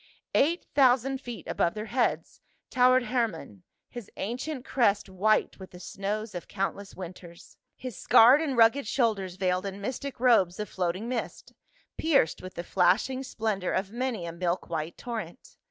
Eight thousand feet above their heads towered Her mon, his ancient crest white with the snows of count less winters ; his scarred and rugged shoulders veiled in mystic robes of floating mist, pierced with the flash ing splendor of many a milk white torrent.